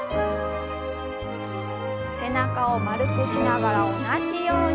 背中を丸くしながら同じように。